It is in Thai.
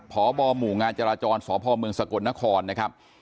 พบหมู่งานจราจรสพเมืองสกลนครนะครับ